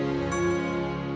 sampai jumpa lagi